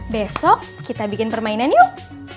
besok kita bikin permainan yuk